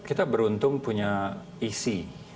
kita beruntung punya isi